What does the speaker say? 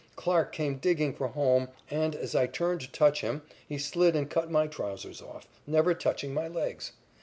Clarke came digging for home and, as I turned to touch him, he slid and cut my trousers off, never touching my legs.